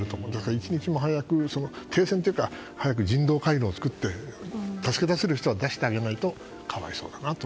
一日も早く停戦というか人道回廊を作って助け出せる人は出してあげないと可哀想だなと。